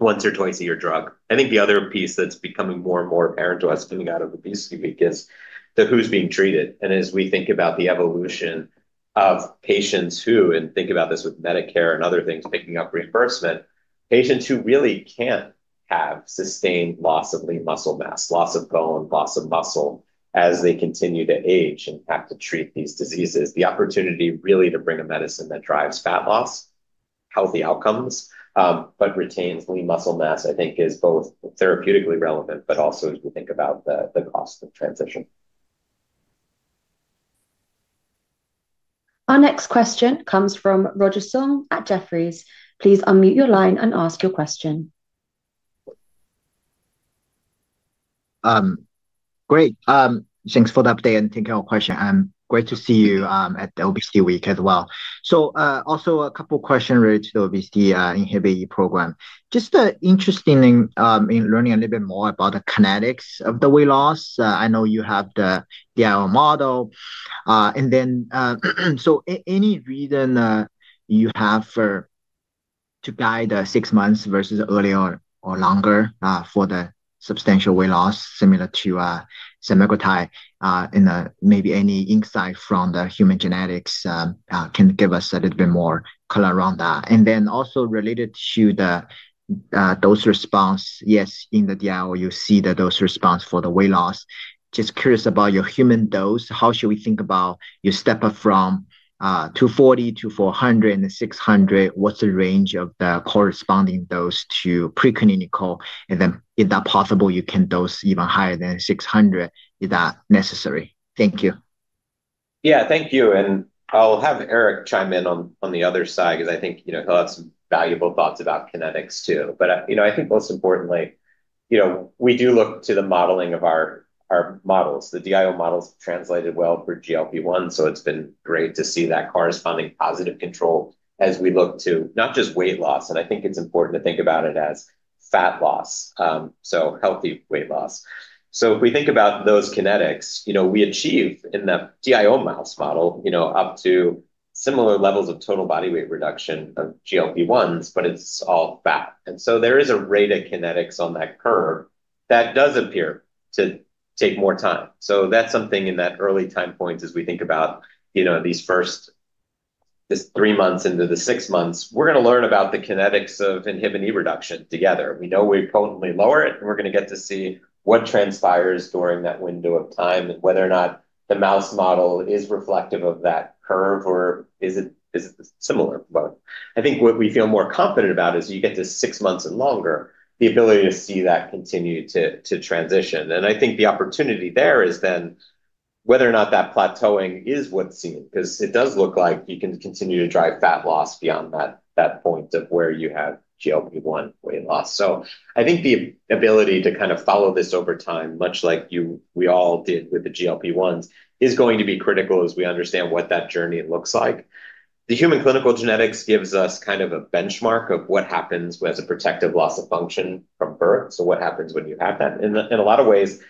C: once or twice-a-year drug. I think the other piece that's becoming more and more apparent to us coming out of obesity week is who's being treated. And as we think about the evolution of patients who, and think about this with Medicare and other things picking up reimbursement, patients who really can't have sustained loss of lean muscle mass, loss of bone, loss of muscle as they continue to age and have to treat these diseases, the opportunity really to bring a medicine that drives fat loss, healthy outcomes, but retains lean muscle mass, I think, is both therapeutically relevant, but also as we think about the cost of transition.
A: Our next question comes from Roger Song at Jefferies. Please unmute your line and ask your question.
N: Great. Thanks for the update and thank you all. And great to see you at the obesity week as well. So also a couple of questions related to the obesity inhibit E program. Just interesting in learning a little bit more about the kinetics of the weight loss. I know you have the DIL model. And then so any reason you have to guide six months versus earlier or longer for the substantial weight loss similar to semaglutide and maybe any insight from the human genetics can give us a little bit more color around that. And then also related to the dose response, yes, in the DIL, you'll see the dose response for the weight loss. Just curious about your human dose. How should we think about you step up from 240 to 400 and 600? What's the range of the corresponding dose to pre-clinical? And then if that's possible, you can dose even higher than 600. Is that necessary? Thank you.
C: Yeah, thank you. And I'll have Eric chime in on the other side because I think he'll have some valuable thoughts about kinetics too. But I think most importantly, we do look to the modeling of our models. The DIL models translated well for GLP-1, so it's been great to see that corresponding positive control as we look to not just weight loss. And I think it's important to think about it as fat loss, so healthy weight loss. So if we think about those kinetics, we achieve in the DIL mouse model up to similar levels of total body weight reduction of GLP-1s, but it's all fat. And so there is a rate of kinetics on that curve that does appear to take more time. So that's something in that early time point as we think about these first three months into the six months, we're going to learn about the kinetics of inhibin E reduction together. We know we're potently lower it, and we're going to get to see what transpires during that window of time and whether or not the mouse model is reflective of that curve or is it similar. But I think what we feel more confident about is you get to six months and longer, the ability to see that continue to transition. And I think the opportunity there is then whether or not that plateauing is what's seen because it does look like you can continue to drive fat loss beyond that point of where you have GLP-1 weight loss. So I think the ability to kind of follow this over time, much like we all did with the GLP-1s, is going to be critical as we understand what that journey looks like. The human clinical genetics gives us kind of a benchmark of what happens as a protective loss of function from birth. So what happens when you have that? In a lot of ways,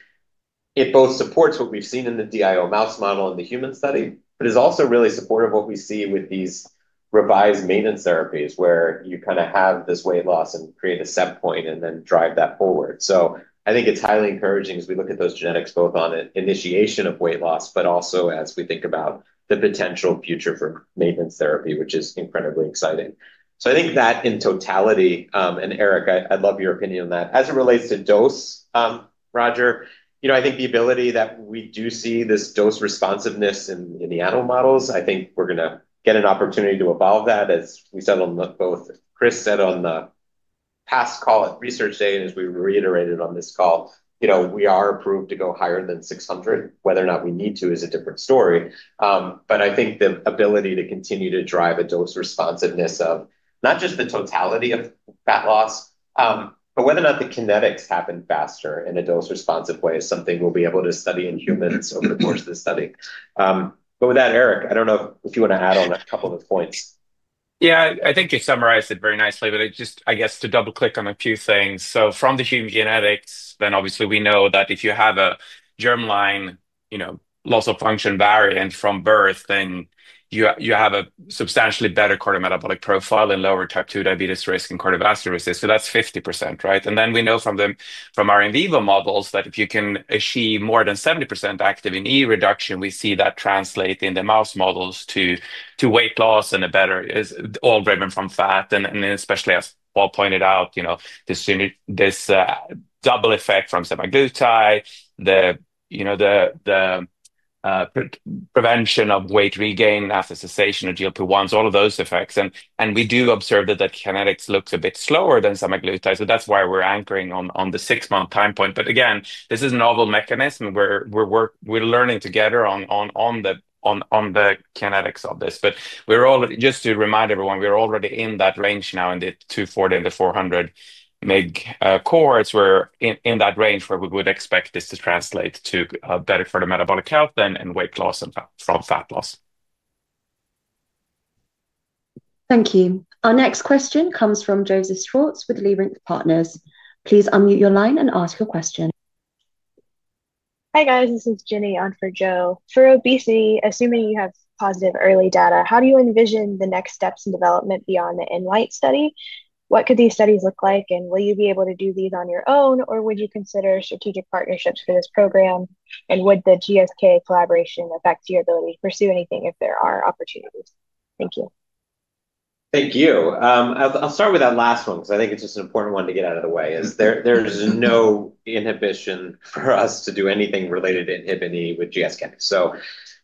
C: it both supports what we've seen in the DIL mouse model in the human study, but is also really supportive of what we see with these revised maintenance therapies where you kind of have this weight loss and create a set point and then drive that forward. So I think it's highly encouraging as we look at those genetics both on initiation of weight loss, but also as we think about the potential future for maintenance therapy, which is incredibly exciting. So I think that in totality, and Eric, I'd love your opinion on that. As it relates to dose, Roger, I think the ability that we do see this dose responsiveness in the animal models, I think we're going to get an opportunity to evolve that as we said on both Chris said on the past call at Research Day and as we reiterated on this call, we are approved to go higher than 600. Whether or not we need to is a different story. But I think the ability to continue to drive a dose responsiveness of not just the totality of fat loss, but whether or not the kinetics happen faster in a dose-responsive way is something we'll be able to study in humans over the course of the study. But with that, Eric, I don't know if you want to add on a couple of points.
G: Yeah, I think you summarized it very nicely, but I guess to double-click on a few things. So from the human genetics, then obviously we know that if you have a germline loss of function variant from birth, then you have a substantially better cardiometabolic profile and lower type 2 diabetes risk and cardiovascular risk. So that's 50%, right? And then we know from our in vivo models that if you can achieve more than 70% active in E reduction, we see that translate in the mouse models to weight loss and a better all driven from fat. And especially as Paul pointed out, this double effect from semaglutide, the prevention of weight regain after cessation of GLP-1s, all of those effects. And we do observe that the kinetics looks a bit slower than semaglutide. So that's why we're anchoring on the six-month time point. But again, this is a novel mechanism. We're learning together on the kinetics of this. But just to remind everyone, we're already in that range now in the 240 and the 400 meg cohorts. We're in that range where we would expect this to translate to better for the metabolic health and weight loss from fat loss.
A: Thank you. Our next question comes from Joseph Schwartz with Leerink Partners. Please unmute your line and ask your question. Hi guys, this is Ginny on for Joe. For obesity, assuming you have positive early data, how do you envision the next steps in development beyond the NYTE study? What could these studies look like? And will you be able to do these on your own, or would you consider strategic partnerships for this program? And would the GSK collaboration affect your ability to pursue anything if there are opportunities? Thank you.
C: Thank you. I'll start with that last one because I think it's just an important one to get out of the way. There's no inhibition for us to do anything related to inhibin E with GSK. So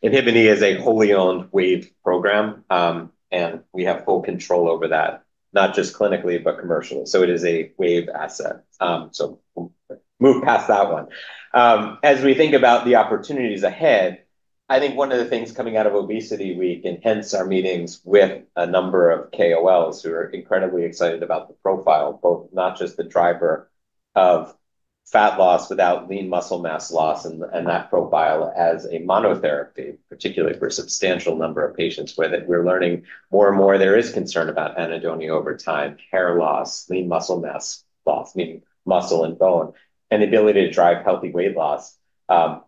C: inhibin E is a wholly owned WAVE program, and we have full control over that, not just clinically, but commercially. So it is a WAVE asset. So move past that one. As we think about the opportunities ahead, I think one of the things coming out of obesity week, and hence our meetings with a number of KOLs who are incredibly excited about the profile, both not just the driver of fat loss without lean muscle mass loss and that profile as a monotherapy, particularly for a substantial number of patients where we're learning more and more there is concern about anhedonia over time, hair loss, lean muscle mass loss, meaning muscle and bone, and the ability to drive healthy weight loss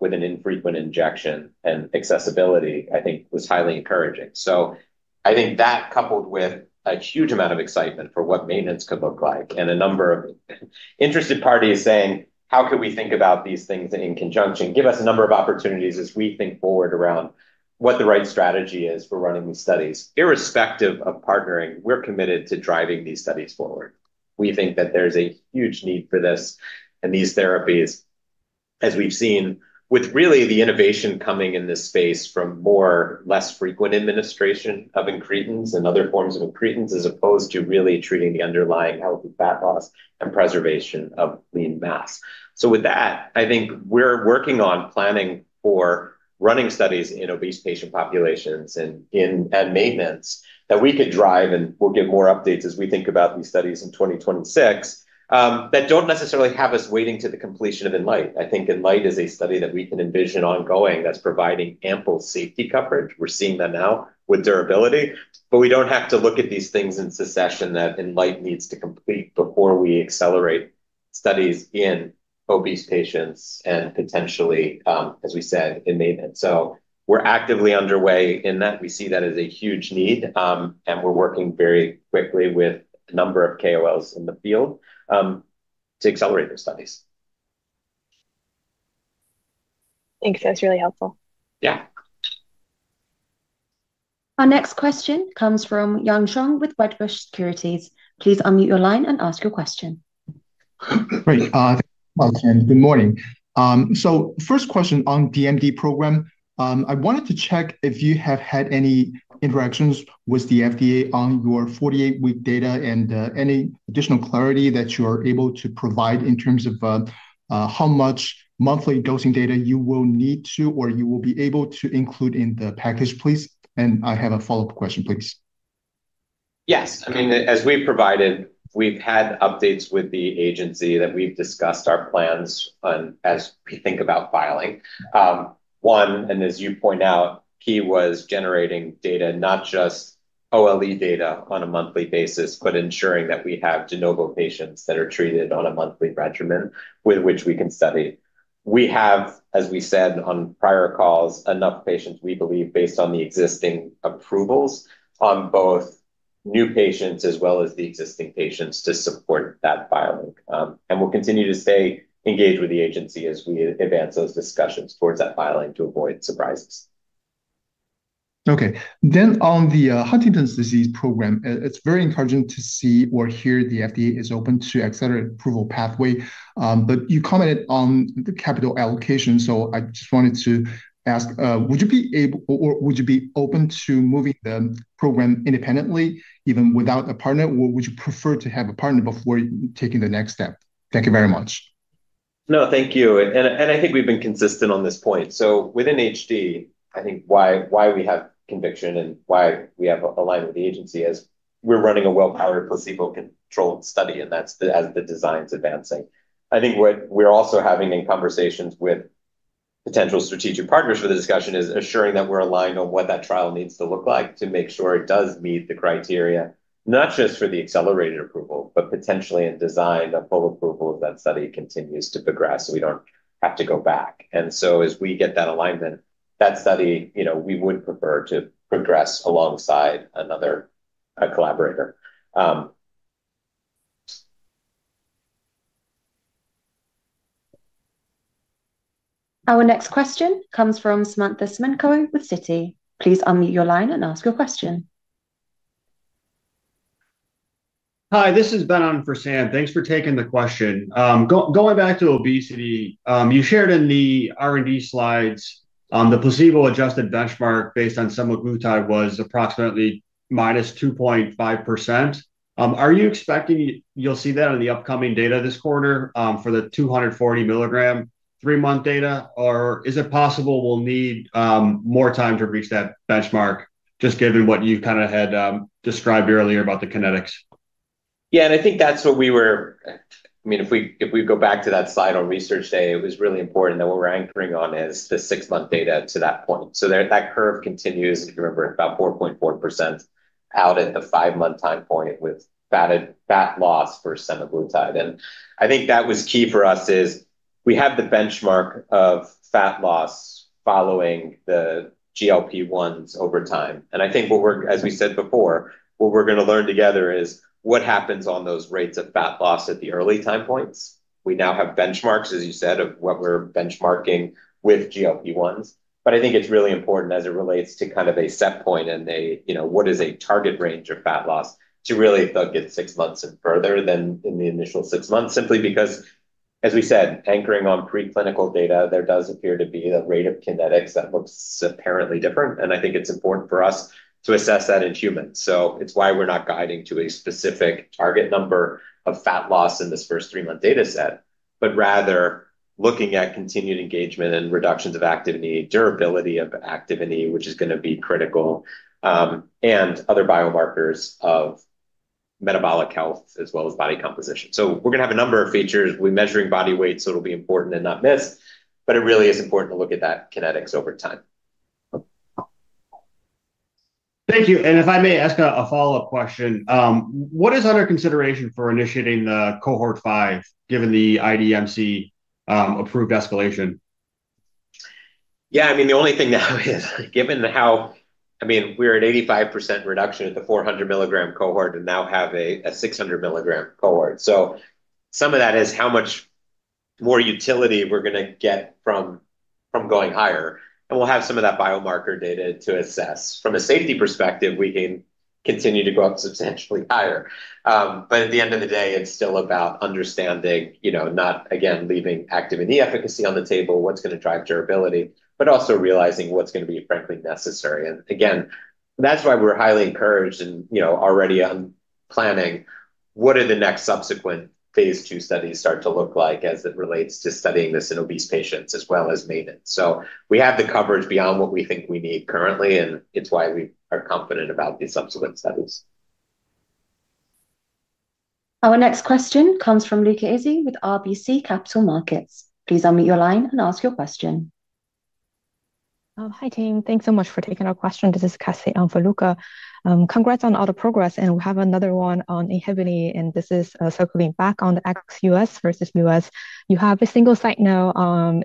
C: with an infrequent injection and accessibility, I think was highly encouraging. So I think that coupled with a huge amount of excitement for what maintenance could look like and a number of interested parties saying, how could we think about these things in conjunction? Give us a number of opportunities as we think forward around what the right strategy is for running these studies. Irrespective of partnering, we're committed to driving these studies forward. We think that there's a huge need for this and these therapies, as we've seen with really the innovation coming in this space from more less frequent administration of incretins and other forms of incretins as opposed to really treating the underlying healthy fat loss and preservation of lean mass. So with that, I think we're working on planning for running studies in obese patient populations and maintenance that we could drive, and we'll get more updates as we think about these studies in 2026 that don't necessarily have us waiting to the completion of NLYTE. I think NLYTE is a study that we can envision ongoing that's providing ample safety coverage. We're seeing that now with durability, but we don't have to look at these things in secession that NLYTE needs to complete before we accelerate studies in obese patients and potentially, as we said, in maintenance. So we're actively underway in that. We see that as a huge need, and we're working very quickly with a number of KOLs in the field to accelerate those studies. Thanks. That's really helpful. Yeah.
A: Our next question comes from Yang Chong with Whitebush Securities. Please unmute your line and ask your question.
O: Great. Good morning. So first question on DMD program. I wanted to check if you have had any interactions with the FDA on your 48-week data and any additional clarity that you are able to provide in terms of how much monthly dosing data you will need to or you will be able to include in the package, please. And I have a follow-up question, please.
C: Yes. I mean, as we've provided, we've had updates with the agency that we've discussed our plans as we think about filing. One, and as you point out, key was generating data, not just OLE data on a monthly basis, but ensuring that we have de novo patients that are treated on a monthly regimen with which we can study. We have, as we said on prior calls, enough patients, we believe, based on the existing approvals on both new patients as well as the existing patients to support that filing. And we'll continue to stay engaged with the agency as we advance those discussions towards that filing to avoid surprises.
O: Okay. Then on the Huntington's disease program, it's very encouraging to see or hear the FDA is open to accelerate approval pathway. But you commented on the capital allocation, so I just wanted to ask, would you be able or would you be open to moving the program independently even without a partner, or would you prefer to have a partner before taking the next step? Thank you very much.
C: No, thank you. And I think we've been consistent on this point. So within HD, I think why we have conviction and why we have aligned with the agency is we're running a well-powered placebo-controlled study, and that's as the design's advancing. I think what we're also having in conversations with potential strategic partners for the discussion is assuring that we're aligned on what that trial needs to look like to make sure it does meet the criteria, not just for the accelerated approval, but potentially in design of full approval if that study continues to progress so we don't have to go back. And so as we get that alignment, that study, we would prefer to progress alongside another collaborator.
A: Our next question comes from Samantha Simenko with Citi. Please unmute your line and ask your question. Hi, this is Benan for Sam. Thanks for taking the question. Going back to obesity, you shared in the R&D slides the placebo-adjusted benchmark based on semaglutide was approximately -2.5%. Are you expecting you'll see that in the upcoming data this quarter for the 240 mg three-month data, or is it possible we'll need more time to reach that benchmark just given what you kind of had described earlier about the kinetics?
C: Yeah, and I think that's what we were I mean, if we go back to that slide on Research Day, it was really important that what we're anchoring on is the six-month data to that point. So that curve continues, if you remember, about 4.4% out at the five-month time point with fat loss for semaglutide. And I think that was key for us is we have the benchmark of fat loss following the GLP-1s over time. And I think, as we said before, what we're going to learn together is what happens on those rates of fat loss at the early time points. We now have benchmarks, as you said, of what we're benchmarking with GLP-1s. But I think it's really important as it relates to kind of a set point and what is a target range of fat loss to really look at six months and further than in the initial six months, simply because, as we said, anchoring on preclinical data, there does appear to be a rate of kinetics that looks apparently different. And I think it's important for us to assess that in humans. So it's why we're not guiding to a specific target number of fat loss in this first three-month data set, but rather looking at continued engagement and reductions of activity, durability of activity, which is going to be critical, and other biomarkers of metabolic health as well as body composition. So we're going to have a number of features. We're measuring body weight, so it'll be important and not missed, but it really is important to look at that kinetics over time. Thank you. And if I may ask a follow-up question, what is under consideration for initiating the cohort five given the IDMC approved escalation? Yeah, I mean, the only thing now is given how, I mean, we're at 85% reduction at the 400 mg cohort and now have a 600 mg cohort. So some of that is how much more utility we're going to get from going higher. And we'll have some of that biomarker data to assess. From a safety perspective, we can continue to go up substantially higher. But at the end of the day, it's still about understanding, not again, leaving active in the efficacy on the table, what's going to drive durability, but also realizing what's going to be frankly necessary. And again, that's why we're highly encouraged and already planning what are the next subsequent phase two studies start to look like as it relates to studying this in obese patients as well as maintenance. So we have the coverage beyond what we think we need currently, and it's why we are confident about the subsequent studies.
A: Our next question comes from Luka Issi with RBC Capital Markets. Please unmute your line and ask your question.
P: Hi, team. Thanks so much for taking our question to discuss the envelope. Congrats on all the progress, and we have another one on inhibin E, and this is circling back on the XU.S. versus U.S.. You have a single site now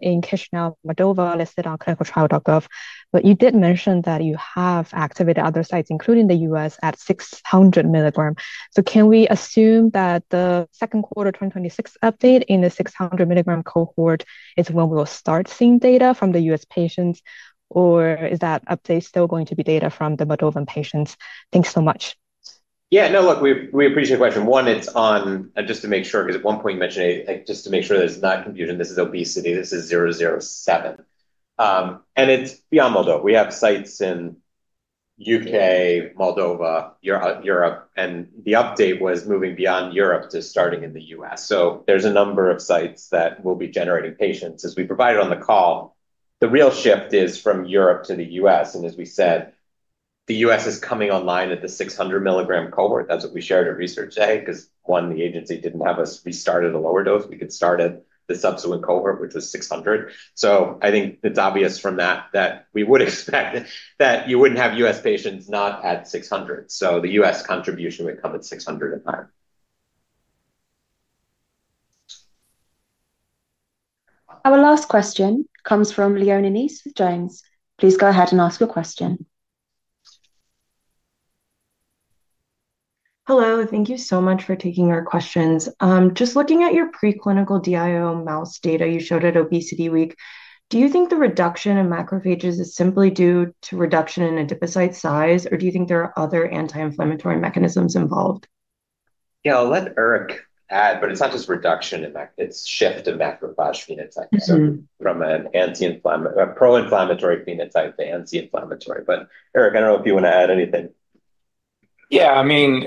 P: in Kishnell Madova listed on clinicaltrial.gov, but you did mention that you have activated other sites, including the U.S. at 600 mg. So can we assume that the second quarter 2026 update in the 600 mg cohort is when we'll start seeing data from the U.S. patients, or is that update still going to be data from the Madovan patients? Thanks so much.
C: Yeah, no, look, we appreciate the question. One, it's on, and just to make sure, because at one point you mentioned, just to make sure there's not confusion, this is obesity, this is 007. And it's beyond Moldova. We have sites in U.K., Moldova, Europe, and the update was moving beyond Europe to starting in the U.S. So there's a number of sites that will be generating patients. As we provided on the call, the real shift is from Europe to the U.S. And as we said, the U.S. is coming online at the 600 mg cohort. That's what we shared at Research Day because, one, the agency didn't have us restarted a lower dose. We could start at the subsequent cohort, which was 600. So I think it's obvious from that that we would expect that you wouldn't have U.S. patients not at 600. So the U.S. contribution would come at 600 and higher.
A: Our last question comes from Leon Anise with Jones. Please go ahead and ask your question. Hello. Thank you so much for taking our questions. Just looking at your preclinical DIO mouse data you showed at obesity week, do you think the reduction in macrophages is simply due to reduction in adipocyte size, or do you think there are other anti-inflammatory mechanisms involved?
C: Yeah, I'll let Eric add, but it's not just reduction in, it's shift of macrophage phenotype. So from a pro-inflammatory phenotype to anti-inflammatory. But Eric, I don't know if you want to add anything.
G: Yeah, I mean,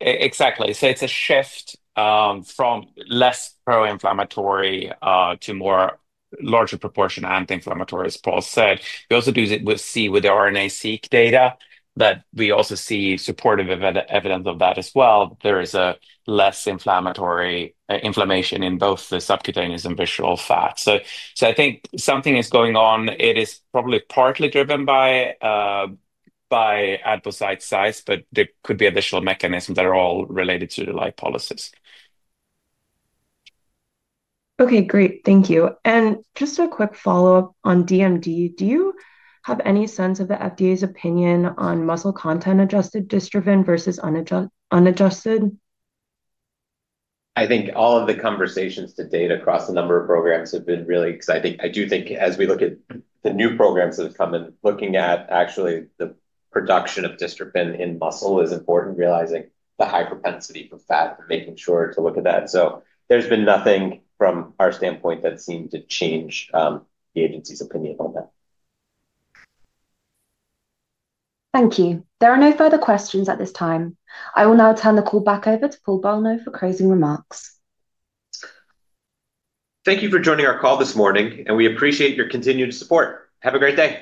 G: exactly. So it's a shift from less pro-inflammatory to more larger proportion anti-inflammatory, as Paul said. We also do see with the RNA-seq data that we also see supportive evidence of that as well. There is less inflammation in both the subcutaneous and visceral fat. So I think something is going on. It is probably partly driven by adipocyte size, but there could be additional mechanisms that are all related to the lipolysis. Okay, great. Thank you. And just a quick follow-up on DMD. Do you have any sense of the FDA's opinion on muscle content adjusted distrobin versus unadjusted?
C: I think all of the conversations to date across a number of programs have been really exciting. I do think as we look at the new programs that have come in, looking at actually the production of distrobin in muscle is important, realizing the high propensity for fat and making sure to look at that. So there's been nothing from our standpoint that seemed to change the agency's opinion on that.
A: Thank you. There are no further questions at this time. I will now turn the call back over to Paul Bolno for closing remarks.
C: Thank you for joining our call this morning, and we appreciate your continued support. Have a great day.